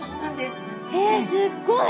へえすっごい！